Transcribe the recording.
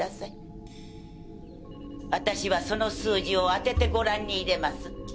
私はその数字を当ててご覧にいれます。